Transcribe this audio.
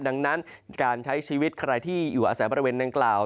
ดังนั้นการใช้ชีวิตใครที่อยู่อาศัยบริเวณดังกล่าว